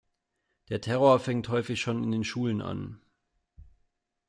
Der Terror fängt häufig schon in den Schulen an.